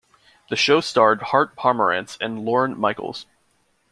The show starred Hart Pomerantz and Lorne Michaels.